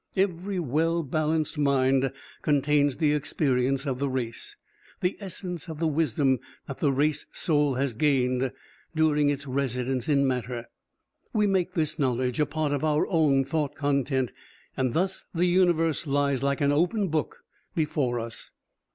Every well balanced mind contains the experience of the race, the essence of the wisdom that the race soul has gained during its residence in matter. We make this knowledge a part of our own thought content, and thus the Universe lies like an open book before us.